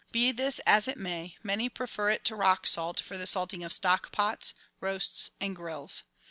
Be this as it may, many prefer it to rock salt for the salting of stock pots, roasts, and grills.